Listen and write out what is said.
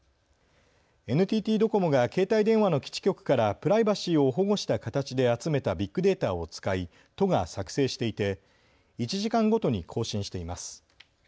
ＮＴＴドコモが携帯電話の基地局からプライバシーを保護した形で集めたビッグデータを使い都が作成していて１時間ごとに更新しています。